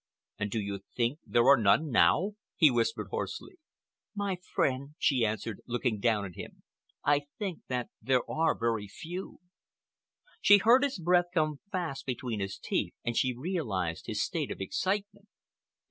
"And do you think there are none now?" he whispered hoarsely. "My friend," she answered, looking down at him, "I think that there are very few." She heard his breath come fast between his teeth, and she realized his state of excitement.